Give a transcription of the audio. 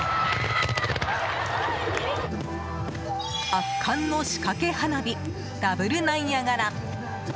圧巻の仕掛け花火ダブルナイアガラ！